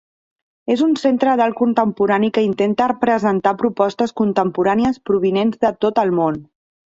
És un centre d'art contemporani que intenta presentar propostes contemporànies provinents de tot el món.